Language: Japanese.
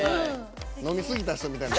飲みすぎた人みたいに。